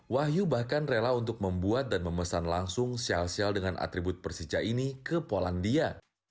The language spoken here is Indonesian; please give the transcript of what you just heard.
wahyu bahkan rela untuk membuat dan memesan langsung sel sel dengan atribut persija ini ke polandia